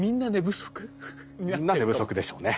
みんな寝不足でしょうね。